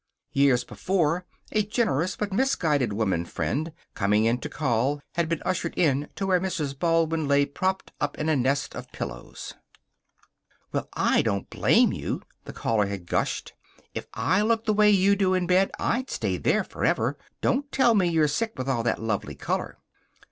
Years before, a generous but misguided woman friend, coming in to call, had been ushered in to where Mrs. Baldwin lay propped up in a nest of pillows. "Well, I don't blame you," the caller had gushed. "If I looked the way you do in bed I'd stay there forever. Don't tell me you're sick, with all that lovely color!"